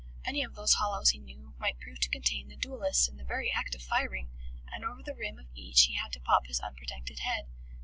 Any of those hollows, he knew, might prove to contain the duellists in the very act of firing, and over the rim of each he had to pop his unprotected head.